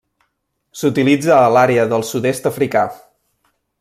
S'utilitza a l'àrea del sud-est africà.